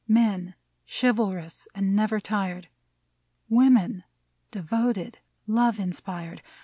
Men chivalrous and never tired. Women devoted, love inspired.